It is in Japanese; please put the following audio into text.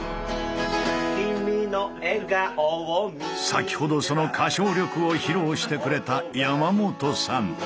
先ほどその歌唱力を披露してくれた山本さん！